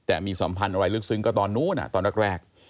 แต่มีสัมพันธ์อะไรลึกซึ้งก็ตอนนู้นตอนแรก